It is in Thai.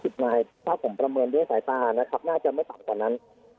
ถ้าผมประเมินด้วยสายตาน่าจะไม่ต่ำกว่านั้น